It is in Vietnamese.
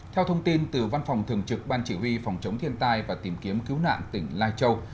theo thông tin từ văn phòng thường trực ban chỉ huy phòng chống thiên tai và tìm kiếm cứu nạn tỉnh lai châu